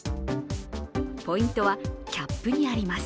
ポイントはキャップにあります。